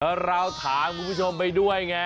แล้วเราถามคุณผู้ชมไปด้วยไง